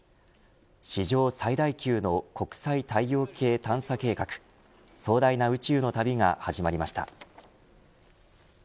史上最大級の国際太陽系探査計画壮大な宇宙の旅が始まりました。